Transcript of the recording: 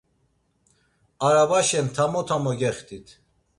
Arabaşen tamo tamo gextit.